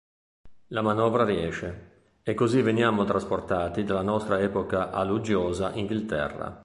La manovra riesce, e così veniamo trasportati dalla nostra epoca all'uggiosa Inghilterra.